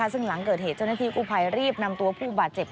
ซึ่งหลังเกิดเหตุเจ้าหน้าที่กู้ภัยรีบนำตัวผู้บาดเจ็บ